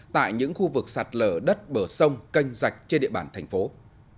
tại những khu vực sạt lở đất bờ sông canh rạch trên địa bàn tp hcm